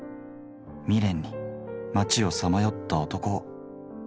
未練に街を彷徨った男を。